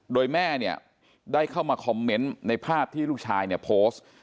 โดยแม่ได้เข้ามาคอมเมนต์ในภาพที่ลูกชายโพสต์